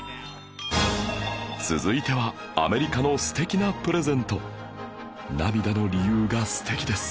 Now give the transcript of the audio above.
続いてはアメリカの素敵なプレゼント涙の理由が素敵です